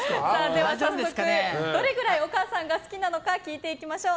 では早速どれくらいお母さんが好きなのか聞いていきましょう。